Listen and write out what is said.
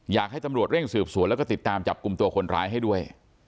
อยากให้ตำรวจเร่งสืบสวนแล้วก็ติดตามจับกลุ่มตัวคนร้ายให้ด้วย